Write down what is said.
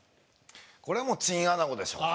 これはもうチンアナゴでしょう。